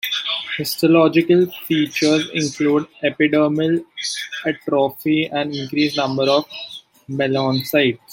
Histological features include epidermal atrophy and increased number of melanocytes.